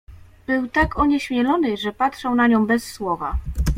"Był tak onieśmielony, że patrzał na nią bez słowa."